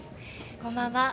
こんばんは。